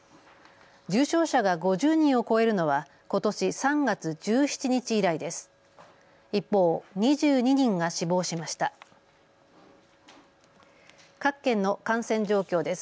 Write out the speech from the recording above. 重症者が５０人を超えるのはことし３月１７日以来です。